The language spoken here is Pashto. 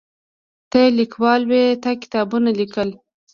ته لیکوال وې تا کتابونه لیکل.